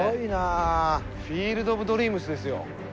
『フィールド・オブ・ドリームス』ですよ。